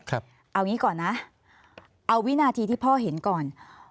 เอางี้ก่อนนะเอาวินาทีที่พ่อเห็นก่อน